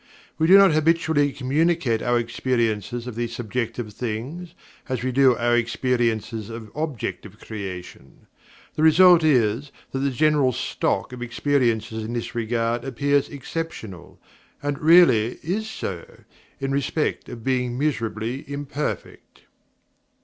We do not habitually communicate our experiences of these subjective things, as we do our experiences of objective creation. The consequence is, that the general stock of experience in this regard appears exceptional, and really is so, in respect of being miserably imperfect.